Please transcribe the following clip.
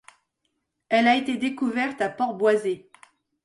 Elle a été découverte à Port Boisé.